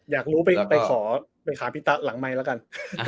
อยากรู้ไปขาวปิ๊ตะหลังไม้แล้วกัน